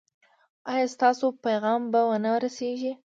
ایا ستاسو پیغام به و نه رسیږي؟